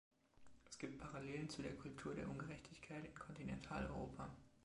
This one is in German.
Es gibt Parallelen zu der Kultur der Ungerechtigkeit in Kontinentaleuropa.